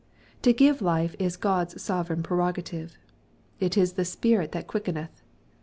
To give life is God's sovereign prerogative. " It is the Spirit that quickeneth."